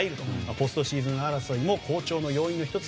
ポストシーズン争いも好調の要因の１つ。